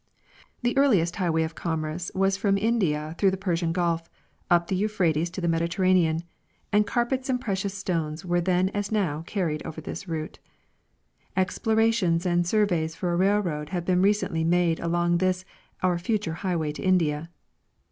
The earliest highway of commerce was from India through the Persian gulf, up the Euphrates to the Mediterranean ; and carpets and precious stones were then as now carried over this route. Ex]3lorations and surveys for a railroad have been recently made along this " our future highway to India."